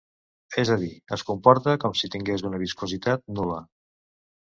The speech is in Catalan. És a dir, es comporta com si tingués una viscositat nul·la.